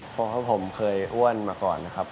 เพราะผมเคยอ้วนมาก่อนนะครับ